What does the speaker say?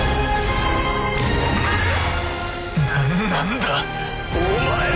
何なんだお前は！